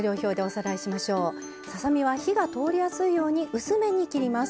ささ身は火が通りやすいように薄めに切ります。